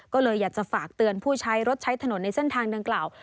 ก็เลยอยากจะฝากเตือนผู้ใช้รถใช้ถนนในเส้นทางดังกล่าว